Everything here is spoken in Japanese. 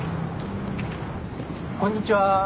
こんにちは。